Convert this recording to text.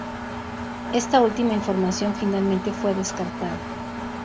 Esta última información finalmente fue descartada.